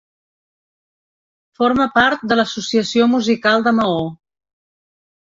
Forma part de l'Associació Musical de Maó.